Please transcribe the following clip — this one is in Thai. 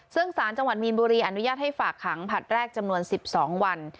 ซึ่งสารจังหวัดมีนบุรีอนุญาตให้ฝากขังผลัดแรกจำนวน๑๒วัน